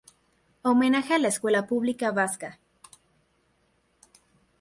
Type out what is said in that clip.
Homenaje a la Escuela Pública Vasca.